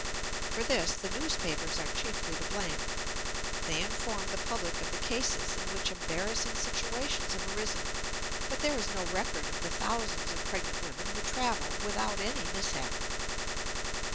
For this the newspapers are chiefly to blame. They inform the public of the cases in which embarrassing situations have arisen, but there is no record of the thousands of pregnant women who travel without any mishap.